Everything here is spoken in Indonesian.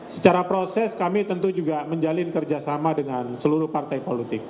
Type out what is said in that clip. secara proses kami tentu juga menjalin kerjasama dengan seluruh partai politik